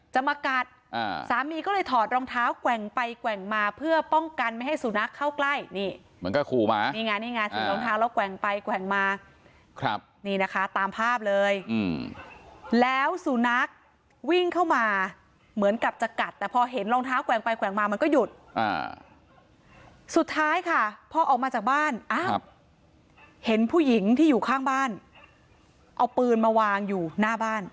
มากัดสามีก็เลยถอดรองเท้าแกว่งไปแกว่งมาเพื่อป้องกันไม่ให้สุนัขเข้าใกล้นี่มันก็ขู่มานี่ไงนี่ไงใส่รองเท้าแล้วแกว่งไปแกว่งมาครับนี่นะคะตามภาพเลยแล้วสุนัขวิ่งเข้ามาเหมือนกับจะกัดแต่พอเห็นรองเท้าแกว่งไปแกว่งมามันก็หยุดสุดท้ายค่ะพอออกมาจากบ้านอ้าวเห็นผู้หญิงที่อยู่ข้างบ้านเอาปืนมาวางอยู่หน้าบ้าน